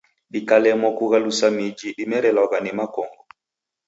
Dikalemwa kughalusa miji dimerelwagha ni makongo.